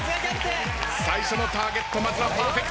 最初のターゲットまずはパーフェクト。